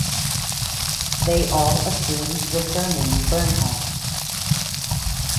They all assumed the surname Bernhoft.